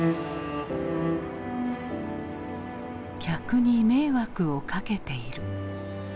客に迷惑をかけている。